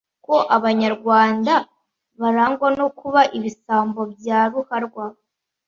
ko Abanyarwanda barangwa no kuba ibisambo bya ruharwa